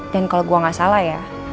dan kalo gue gak salah ya